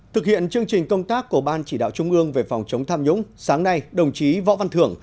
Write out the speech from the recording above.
thực hiện chương trình công tác của ban chỉ đạo trung ương về phòng chống tham nhũng sáng nay đồng chí võ văn thưởng